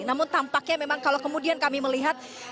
namun tampaknya memang kalau kemudian kami melihat